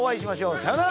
さようなら。